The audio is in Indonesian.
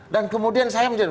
dan kemudian saya